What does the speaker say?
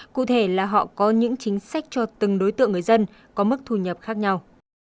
cụ thể là họ có những chính sách cho từng đối tượng người dân có mức thu nhập khác nhau